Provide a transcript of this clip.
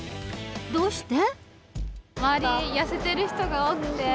どうして？